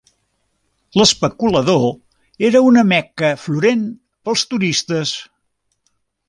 L"especulador era una "Mecca florent" pels turistes.